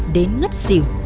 đến ngất xỉu